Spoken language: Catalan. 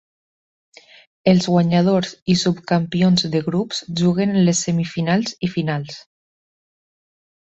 Els guanyadors i subcampions de grups juguen les semifinals i finals.